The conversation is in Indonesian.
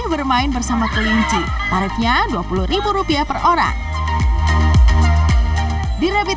bisry nak sudah tau lagi kelinci apa yang dev dan sejarah apa pun